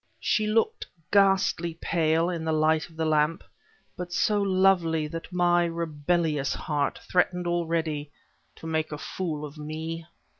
She looked ghastly pale in the light of the lamp, but so lovely that my rebellious heart threatened already, to make a fool of me.